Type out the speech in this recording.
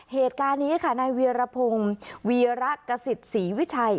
เหตุการณ์นี้ค่ะนายเวียรพงศ์วีระกษิตศรีวิชัย